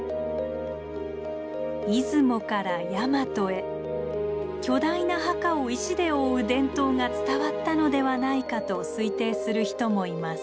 出雲からヤマトへ巨大な墓を石で覆う伝統が伝わったのではないかと推定する人もいます。